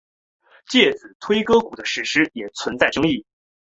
介子推割股的史实也存在争议。